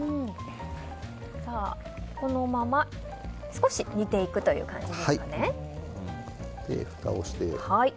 このまま少し煮ていくという感じですよね。